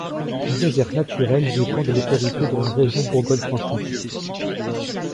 La réserve naturelle dépend de l'autorité de la Région Bourgogne Franche-Comté.